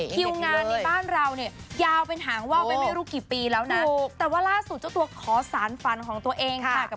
คิวงานในบ้านเราเนี่ยยาวเป็นหางว่าวไปไม่รู้กี่ปีแล้วนะถูกแต่ว่าล่าสุดเจ้าตัวขอสารฝันของตัวเองค่ะ